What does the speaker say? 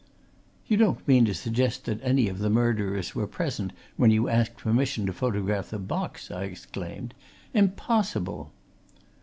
"You don't mean to suggest that any of the murderers were present when you asked permission to photograph the box!" I exclaimed. "Impossible!"